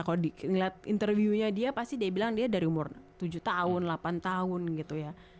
kalau dilihat interviewnya dia pasti dia bilang dia dari umur tujuh tahun delapan tahun gitu ya